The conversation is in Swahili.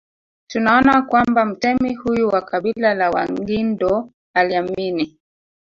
Tunaona kwamba mtemi huyu wa kabila la Wangindo aliamini